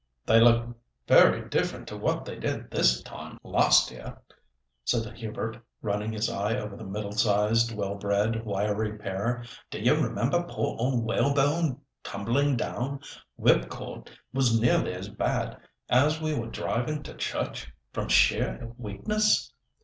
"They look very different to what they did this time last year," said Hubert, running his eye over the middle sized, well bred, wiry pair. "Do you remember poor old Whalebone tumbling down—Whipcord was nearly as bad—as we were driving to church, from sheer weakness?"